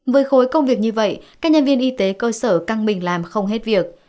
với khối công việc như vậy các nhân viên y tế cơ sở căng mình làm không hết việc